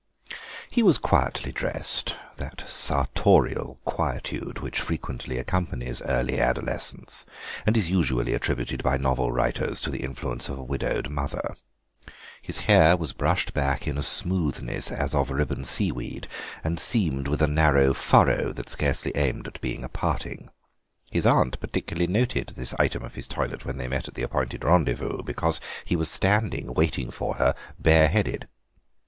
He was quietly dressed—that sartorial quietude which frequently accompanies early adolescence, and is usually attributed by novel writers to the influence of a widowed mother. His hair was brushed back in a smoothness as of ribbon seaweed and seamed with a narrow furrow that scarcely aimed at being a parting. His aunt particularly noted this item of his toilet when they met at the appointed rendezvous, because he was standing waiting for her bareheaded.